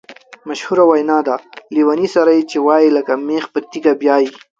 مشهوره وینا ده: لېوني سره یې چې وایې لکه مېخ په تیګه بیایې.